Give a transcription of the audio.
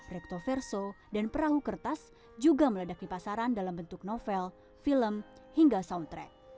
rektoverso dan perahu kertas juga meledak di pasaran dalam bentuk novel film hingga soundtrack